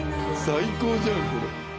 最高じゃんこれ。